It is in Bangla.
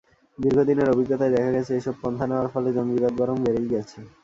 দীর্ঘদিনের অভিজ্ঞতায় দেখা গেছে, এসব পন্থা নেওয়ার ফলে জঙ্গিবাদ বরং বেড়েই গেছে।